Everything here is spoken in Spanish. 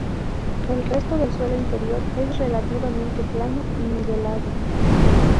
El resto del suelo interior es relativamente plano y nivelado.